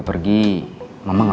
udah ke kamar dulu